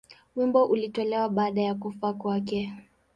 Wimbo ulitolewa baada ya kufa kwake.